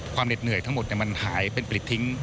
เหน็ดเหนื่อยทั้งหมดมันหายเป็นปลิดทิ้ง